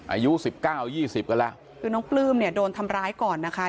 อายุ๑๙๒๐กันแล้วน้องปลื้มโดนทำร้ายก่อนนะคะ